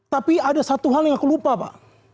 tapi ada satu hal yang aku lupa pak